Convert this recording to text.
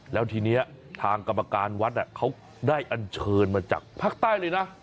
แล้วทีนี้ทางกรรมการวัดเขาได้อันเชิญมาจากภาคใต้เลยนะ